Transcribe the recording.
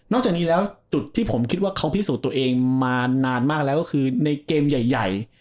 จากนี้แล้วจุดที่ผมคิดว่าเขาพิสูจน์ตัวเองมานานมากแล้วก็คือในเกมใหญ่